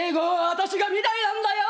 私が御台なんだよ！